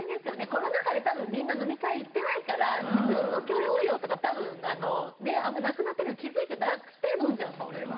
コロナ禍で多分みんな飲み会行ってないから自分の許容量とか多分あんまりなくなってるの気付いてなくて飲んじゃうんですよきっと。